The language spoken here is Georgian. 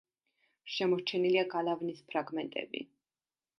შემორჩენილია გალავნის ფრაგმენტები.